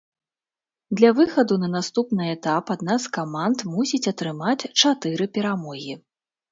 Для выхаду на наступны этап адна з каманд мусіць атрымаць чатыры перамогі.